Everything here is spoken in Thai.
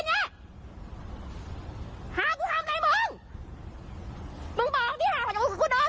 อย่างเงี้ยหากูทำอะไรมึงมึงบอกที่หาไปอยู่กับคุณน้อง